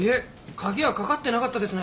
鍵はかかってなかったですね。